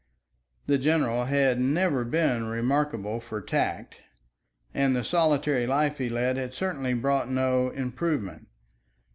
The general had never been remarkable for tact, and the solitary life he led had certainly brought no improvement.